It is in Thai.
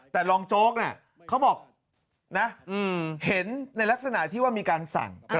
แต่รองโจ๊กเขาบอกนะเห็นในลักษณะที่ว่ามีการสั่ง